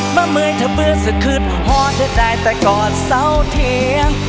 มาเมื่อยเธอเบือดส่วยคืดฮัวเธอได้แต่กอดเศร้าเทียง